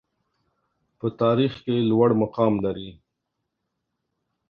په تاریخ کې لوړ مقام لري.